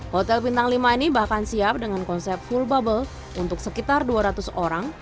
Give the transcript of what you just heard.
hotel bintang lima ini bahkan siap dengan konsep full bubble untuk sekitar dua ratus orang